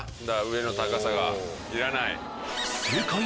だから上の高さがいらない。